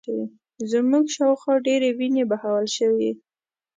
زموږ شا و خوا ډېرې وینې بهول شوې